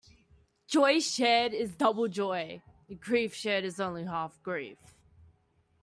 Joy shared is double joy; grief shared is only half grief.